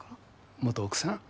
元奥さん？